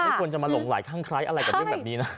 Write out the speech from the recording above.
ควรจะมาหลงไหลข้างไร้อะไรกับเรื่องแบบนี้นะ